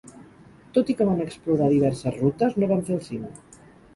Tot i que van explorar diverses rutes, no van fer el cim.